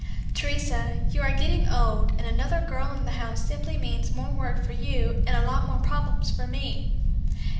"Teresa, you are getting old, and another girl in the house simply means more work for you and a lot more problems for me.